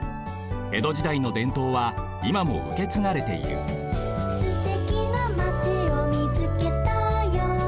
えどじだいのでんとうはいまもうけつがれている「すてきなまちをみつけたよ」